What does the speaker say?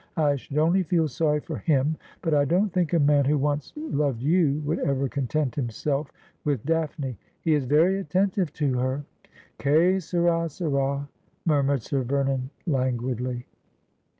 I should only feel sorry for him. But I don't think a man who once loved you would ever content himself with Daphne.' ' He is very attentive to her.' ' Che sara, sara /' murmured Sir Vernon languidly.